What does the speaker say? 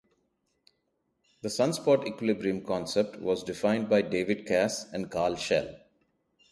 The sunspot equilibrium concept was defined by David Cass and Karl Shell.